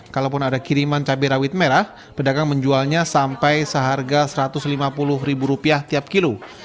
kalaupun ada kiriman cabai rawit merah pedagang menjualnya sampai seharga rp satu ratus lima puluh ribu rupiah tiap kilo